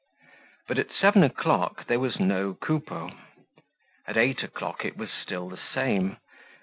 But at seven o'clock there was no Coupeau; at eight o'clock it was still the same.